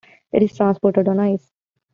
It is transported on ice.